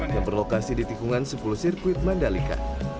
yang berlokasi di tikungan sepuluh sirkuit mandalika